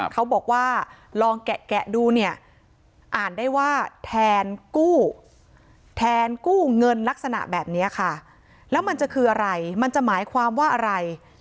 เขาบอกว่าลองแกะดูเนี่ยอ่านได้ว่าแทนกู้แทนกู้เงินลักษณะแบบนี้ค่ะแล้วมันจะคืออะไรมันจะหมายความว่าอะไร